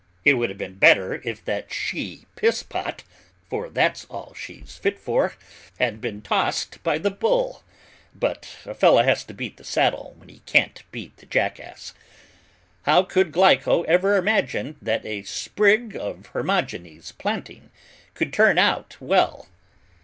It would have been better if that she piss pot, for that's all she's fit for, had been tossed by the bull, but a fellow has to beat the saddle when he can't beat the jackass. How could Glyco ever imagine that a sprig of Hermogenes' planting could turn out well?